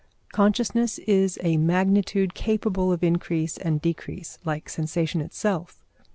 Consciousness is a magnitude capable of increase and decrease, like sensation itself.